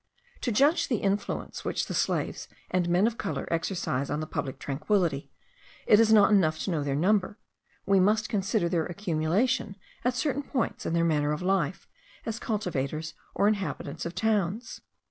To judge of the influence which the slaves and men of colour exercise on the public tranquility, it is not enough to know their number, we must consider their accumulation at certain points, and their manner of life, as cultivators or inhabitants of towns.